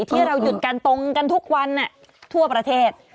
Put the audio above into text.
ที่เราหยุดกันตรงกันทุกวันทั่วประเทศ